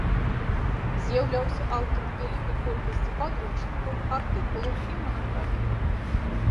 З'яўляўся аўтарам вялікай колькасці падручнікаў, артыкулаў і манаграфій.